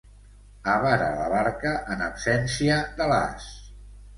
Avara la barca en absència de l'as.